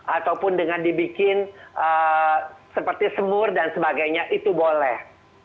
ataupun dengan dibikin seperti semur dan sebagainya itu boleh